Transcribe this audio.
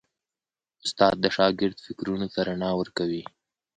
استاد د شاګرد فکرونو ته رڼا ورکوي.